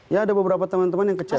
ya ada beberapa teman teman yang kecewa